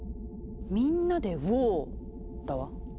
「みんなでウォー」だわ！